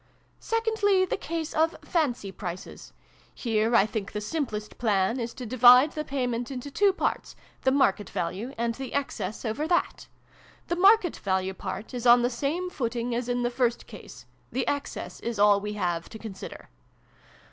"Secondly, the case of 'fancy prices.' Here I think the simplest plan is to divide the pay ment into two parts, the ' market value ' and the excess over that. The ' market value ' part is on the same footing as in the first case : the excess is all we have to consider.